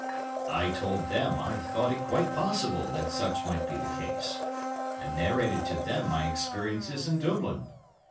I told them I thought it quite possible that such might be the case, and narrated to them my experiences in Dublin.